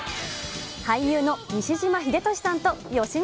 俳優の西島秀俊さんと芳根